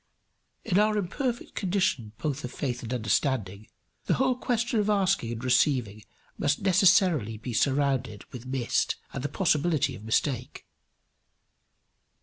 In our imperfect condition both of faith and of understanding, the whole question of asking and receiving must necessarily be surrounded with mist and the possibility of mistake.